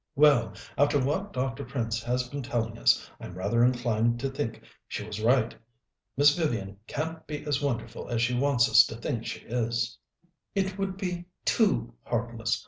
Well, after what Dr. Prince has been telling us, I'm rather inclined to think she was right. Miss Vivian can't be as wonderful as she wants us to think she is." "It would be too heartless.